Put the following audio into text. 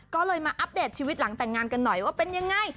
ก็เลยมาอัปเดตชีวิตหลังแต่งงานกันหน่อยว่าเป็นยังไง